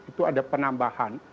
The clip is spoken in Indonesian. itu ada penambahan